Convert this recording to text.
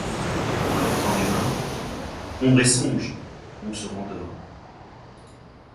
On leur tend les mains. . Ombre et songe ! On se rendort…